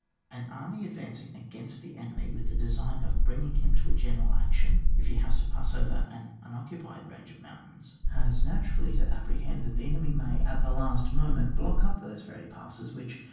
An army advancing against the enemy, with the design of bringing him to a general action, if it has to pass over an unoccupied range of mountain, has natu CHAP. XI.] ATTACK OF A MOUNTAIN. 13 rally to appreHend that the enemy may, at the last moment^ block up those very passes which